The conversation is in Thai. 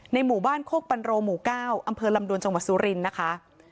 หมู่บ้านโคกปันโรหมู่๙อำเภอลำดวนจังหวัดสุรินทร์นะคะ